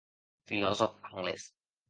Filosòf anglés.